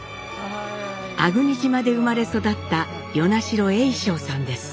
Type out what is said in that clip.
粟国島で生まれ育った与那城栄章さんです。